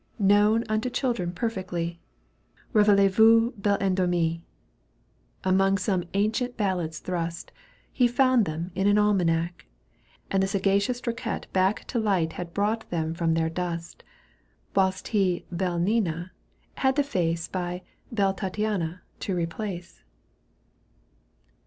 Known unto children perfectly : BeveilleZ'Vous, belle endormie. Among some ancient ballads thrust, He found them in an almanac, And the sagacious Triquet back To light had brought them from their dust. Whilst he " belle Nina " had the face By " belle Tattiana " to replace.